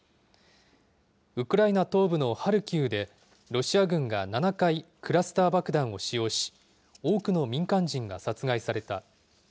ウクライナ東部のハルキウで、ロシア軍が７回、クラスター爆弾を使用し、多くの民間人が殺害された。